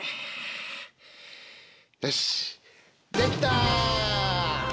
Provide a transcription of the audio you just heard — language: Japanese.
よしっできた！